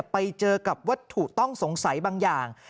ไปเจอกับวัตถุต้องสงสัยบางอย่าง